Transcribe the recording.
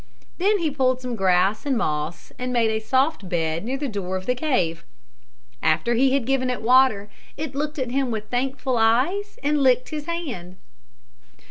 Then he pulled some grass and moss and made a soft bed near the door of the cave. After he had given it water, it looked at him with thankful eyes and licked his hand.